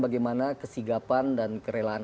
bagaimana kesigapan dan kerelaan